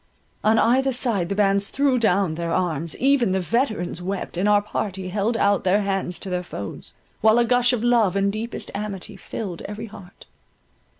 On either side the bands threw down their arms, even the veterans wept, and our party held out their hands to their foes, while a gush of love and deepest amity filled every heart.